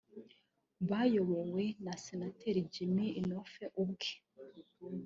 bayobowe na Senateri Jim Inhofe ubwe